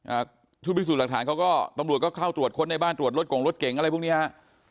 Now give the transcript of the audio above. อ่าชุดพิสูจน์หลักฐานเขาก็ตำรวจก็เข้าตรวจค้นในบ้านตรวจรถกงรถเก๋งอะไรพวกเนี้ยฮะ